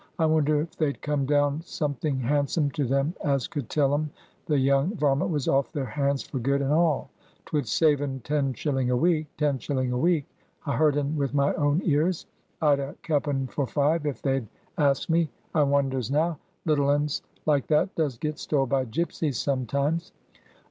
"I wonder if they'd come down something handsome to them as could tell 'em the young varmint was off their hands for good and all. 'Twould save un ten shilling a week. Ten shilling a week! I heard un with my own ears. I'd a kep' un for five, if they'd asked me. I wonders now. Little uns like that does get stole by gipsies sometimes.